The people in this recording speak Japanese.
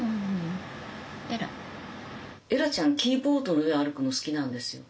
エラちゃんキーボードの上歩くの好きなんですよ。